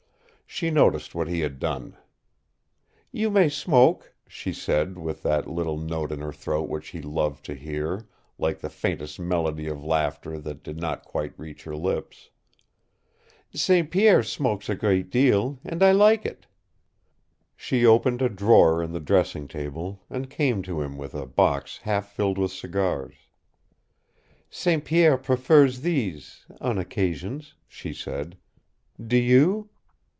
She noticed what he had done. "You may smoke," she said, with that little note in her throat which he loved to hear, like the faintest melody of laughter that did not quite reach her lips. "St. Pierre smokes a great deal, and I like it." She opened a drawer in the dressing table and came to him with a box half filled with cigars. "St. Pierre prefers these on occasions," she said, "Do you?"